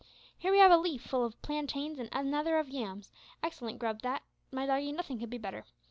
Here we have a leaf full of plantains and another of yams, excellent grub that, my doggie, nothing could be better.